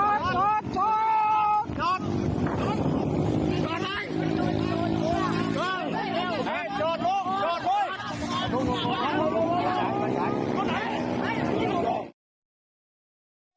จอดไม่